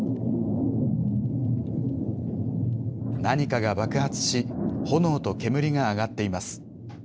何かが爆発し炎と煙が上がっています。